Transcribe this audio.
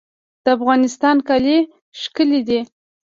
د افغانستان کالي ښکلي دي